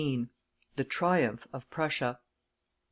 XV. THE TRIUMPH OF PRUSSIA.